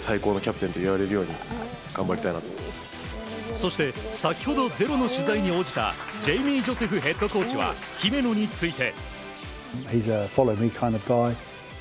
そして、先ほど「ｚｅｒｏ」の取材に応じたジェイミー・ジョセフヘッドコーチは姫野について。